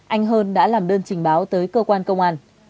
anh hơn đã làm đơn trình báo tới cơ quan công an